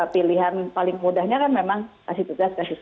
pilihan paling mudahnya kan memang kasih tugas